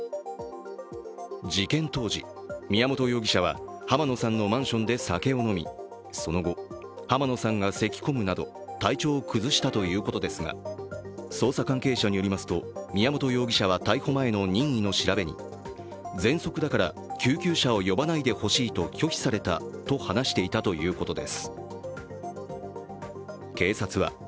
事件当時、宮本容疑者は濱野さんのマンションで酒を飲み、その後濱野さんがせき込むなど体調を崩したということですが捜査関係者によりますと、宮本容疑者は逮捕前の任意の調べに毒性の強いタリウムを摂取させ殺害した疑いです。